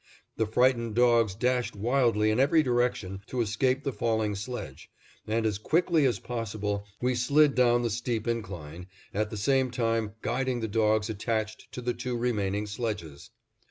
The frightened dogs dashed wildly in every direction to escape the falling sledge, and as quickly as possible we slid down the steep incline, at the same time guiding the dogs attached to the two remaining sledges.